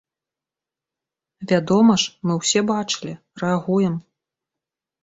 Вядома ж, мы ўсе бачылі, рэагуем.